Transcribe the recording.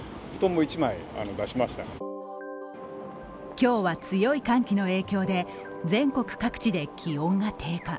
今日は強い寒気の影響で全国各地で気温が低下。